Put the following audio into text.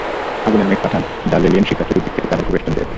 আগুনের মেঘ পাঠান, যার লেলিহান শিখা চতুর্দিক থেকে তাদেরকে বেষ্টন করে ফেলে।